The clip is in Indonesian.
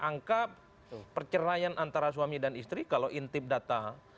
angka perceraian antara suami dan istri kalau intip data